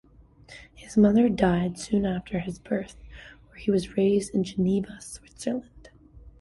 His mother died soon after his birth, and he was raised in Geneva, Switzerland.